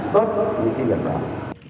chúng ta phải tập trung để làm